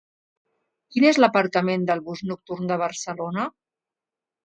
Quin és l'aparcament del bus nocturn de Barcelona?